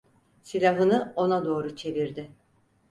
Silahını ona doğru çevirdi.